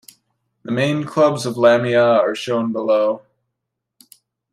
The main clubs of Lamia are shown below.